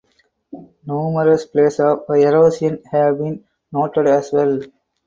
Numerous places of erosion have been noted as well.